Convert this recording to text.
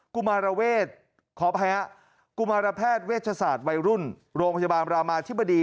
กุมารเวทเวชศาสตร์วัยรุ่นโรงพยาบาลรามอธิบดี